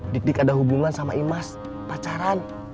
dik dik ada hubungan sama imas pacaran